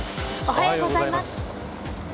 おはようございます。